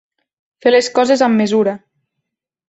Fer les coses amb mesura.